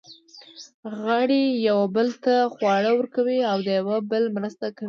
غړي یوه بل ته خواړه ورکوي او د یوه بل مرسته کوي.